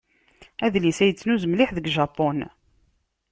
Adlis-a yettnuz mliḥ deg Japun.